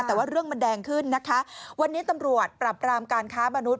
แต่ว่าเรื่องมันแดงขึ้นนะคะวันนี้ตำรวจปรับรามการค้ามนุษย